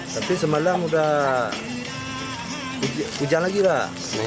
tapi semalam sudah hujan lagi pak